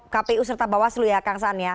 kpu serta bawaslu ya kang saan ya